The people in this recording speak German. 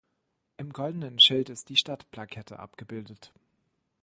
Im goldenen Schild ist die Stadtplakette abgebildet.